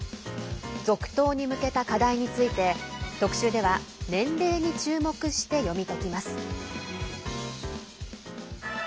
続投に向けた課題について特集では年齢に注目して読み解きます。